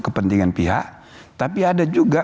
kepentingan pihak tapi ada juga